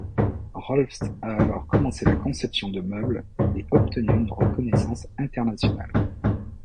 Rohlfs a alors commencé la conception de meubles et obtenu une reconnaissance internationale.